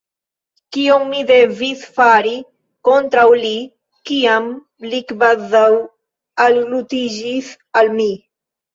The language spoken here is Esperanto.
Kion mi devis fari kontraŭ li, kiam li kvazaŭ algluiĝis al mi?